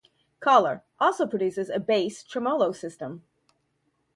Kahler also produces a bass tremolo system.